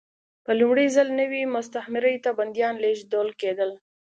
په لومړي ځل نوې مستعمرې ته بندیان لېږدول کېدل.